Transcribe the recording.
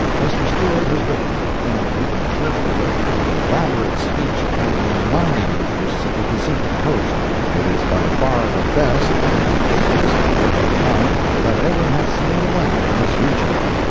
Mr. Stewart has written, and written carefully, an elaborate speech upon the mining interests of the Pacific coast. It is by far the best and the ablest effort of the kind that ever has seen the light in this region.